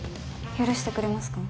許してくれますか？